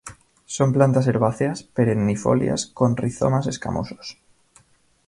Son plantas herbáceas, perennifolias, con rizomas escamosos.